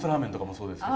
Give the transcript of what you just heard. そうですね。